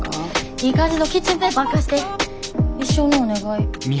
いい感じのキッチンペーパー貸して一生のお願い。